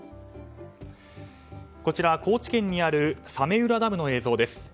こちらは高知県にある早明浦ダムの映像です。